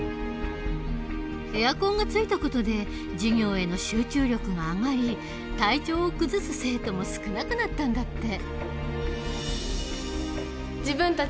エアコンがついた事で授業への集中力が上がり体調を崩す生徒も少なくなったんだって。